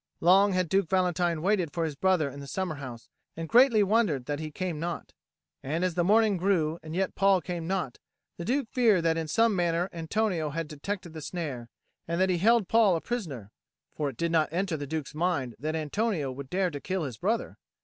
Long had Duke Valentine waited for his brother in the summer house and greatly wondered that he came not. And as the morning grew and yet Paul came not, the Duke feared that in some manner Antonio had detected the snare, and that he held Paul a prisoner; for it did not enter the Duke's mind that Antonio would dare to kill his brother.